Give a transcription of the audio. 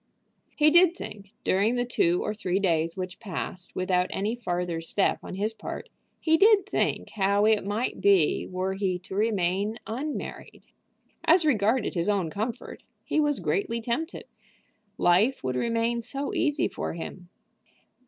He did think, during the two or three days which passed without any farther step on his part, he did think how it might be were he to remain unmarried. As regarded his own comfort, he was greatly tempted. Life would remain so easy to him!